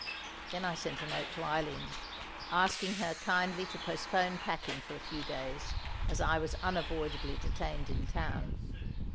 Then I sent a note to Eileen, asking her kindly to postpone packing for a few days, as I was unavoidably detained in town.